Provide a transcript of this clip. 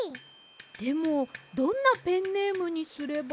でもどんなペンネームにすれば。